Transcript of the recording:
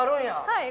はい。